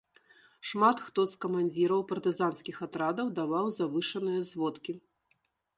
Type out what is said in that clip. Шмат хто з камандзіраў партызанскіх атрадаў даваў завышаныя зводкі.